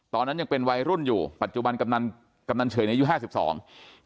ตอนนั้นยังเป็นวัยรุ่นอยู่ปัจจุบันกำนันกำนันเฉยอายุห้าสิบสอง